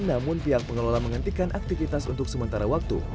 namun pihak pengelola menghentikan aktivitas untuk sementara waktu